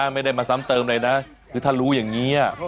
ไม่ได้มาซ้ำเติมเลยนะคือถ้ารู้อย่างนี้